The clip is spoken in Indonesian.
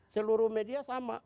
seluruh media sama